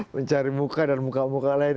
mencari muka dan muka muka lain